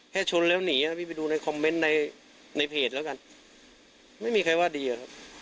ชนแล้วหนีนะพี่ไปดูในคอมเมนต์ในในเพจแล้วกันไม่มีใครว่าดีอะครับ